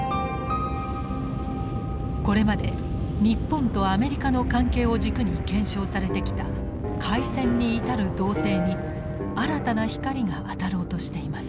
これまで日本とアメリカの関係を軸に検証されてきた開戦に至る道程に新たな光が当たろうとしています。